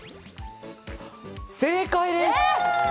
正解です。